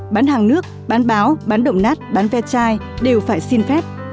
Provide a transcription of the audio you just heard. bán hàng nước bán báo bán động nát bán ve chai đều phải xin phép